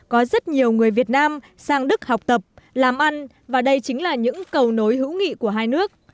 có rất nhiều người việt nam sang đức học tập làm ăn và đây chính là những cầu nối hữu nghị của hai nước